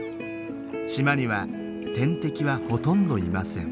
島には天敵はほとんどいません。